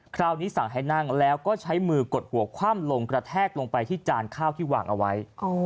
คราวนี้สั่งให้นั่งแล้วก็ใช้มือกดหัวคว่ำลงกระแทกลงไปที่จานข้าวที่วางเอาไว้